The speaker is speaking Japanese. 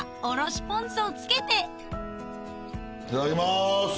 いただきます！